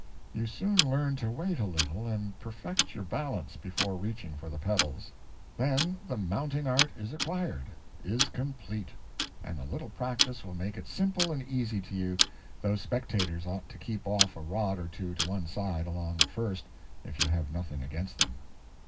You soon learn to wait a little and perfect your balance before reaching for the pedals; then the mounting art is acquired, is complete, and a little practice will make it simple and easy to you, though spectators ought to keep off a rod or two to one side, along at first, if you have nothing against them.